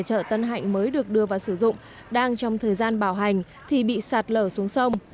các tiểu thương mới được đưa vào sử dụng đang trong thời gian bảo hành thì bị sạt lở xuống sông